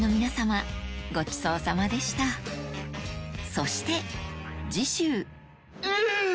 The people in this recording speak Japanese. そして次週！